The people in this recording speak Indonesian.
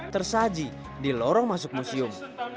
tersaji di lorong masuk museum